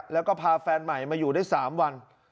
แล้วก็พาแฟนใหม่มาอยู่ได้๓วัน